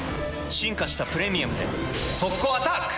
進化した「プレミアム」で速攻アタック！